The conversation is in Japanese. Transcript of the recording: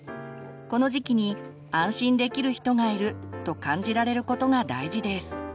この時期に安心できる人がいると感じられることが大事です。